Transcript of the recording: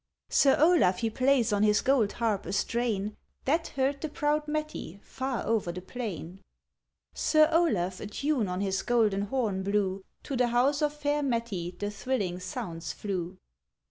Sir Olaf he plays on his gold harp a strain, That heard the proud Mettie far over the plain. Sir Olaf a tune on his golden horn blew, To the house of fair Mettie the thrilling sounds flew.